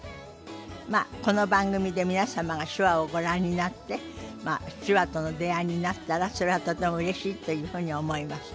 まあこの番組で皆様が手話をご覧になって手話との出会いになったらそれはとてもうれしいというふうに思います。